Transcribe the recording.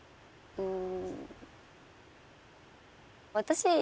うん。